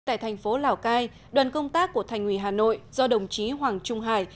tại thành phố lào cai đoàn công tác của thành ủy hà nội do đồng chí hoàng trung hải